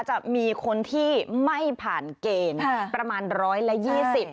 จะมีคนที่ไม่ผ่านเกณฑ์ประมาณ๑๒๐บาท